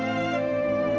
saya udah nggak peduli